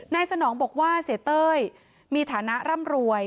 สนองบอกว่าเสียเต้ยมีฐานะร่ำรวย